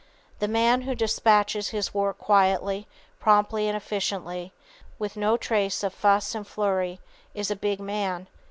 The man who dispatches his work quietly, promptly and efficiently, with no trace of fuss and flurry, is a big man.